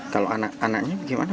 kalau anak anaknya bagaimana